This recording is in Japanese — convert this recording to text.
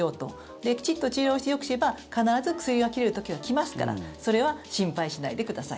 で、きちっと治療してよくすれば必ず薬が切れる時は来ますからそれは心配しないでください。